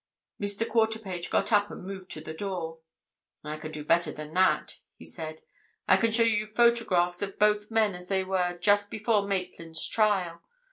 Mr. Quarterpage got up and moved to the door. "I can do better than that," he said. "I can show you photographs of both men as they were just before Maitland's trial.